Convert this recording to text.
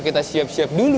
kita siap siap dulu